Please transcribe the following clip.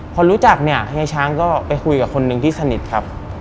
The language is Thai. พอรู้จักเนี่ยเฮียช้างก็ไปคุยกับคนหนึ่งที่สนิทครับ